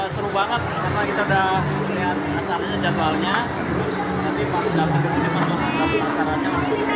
seru banget kita udah lihat acaranya jadwalnya